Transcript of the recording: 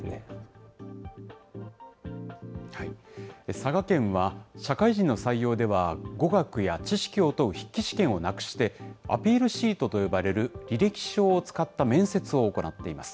佐賀県は、社会人の採用では語学や知識を問う筆記試験をなくして、アピールシートと呼ばれる履歴書を使った面接を行っています。